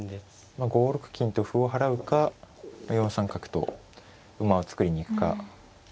まあ５六金と歩を払うか４三角と馬を作りに行くか。